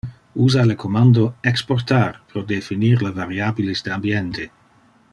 Usa le commando Exportar pro definir le variabiles de ambiente.